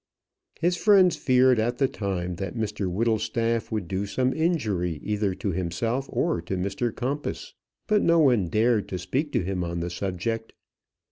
His friends feared at the time that Mr Whittlestaff would do some injury either to himself or Mr Compas. But no one dared to speak to him on the subject.